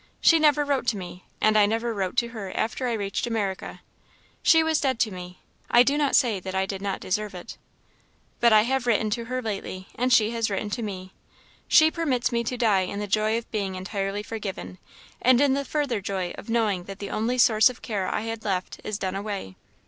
She never wrote to me, and I never wrote to her after I reached America. She was dead to me. I do not say that I did not deserve it. "But I have written to her lately, and she has written to me. She permits me to die in the joy of being entirely forgiven, and in the further joy of knowing that the only source of care I had left is done away.